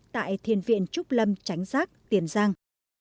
tại thiền viện trúc lâm tránh giác tiền giang